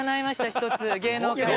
１つ芸能界での。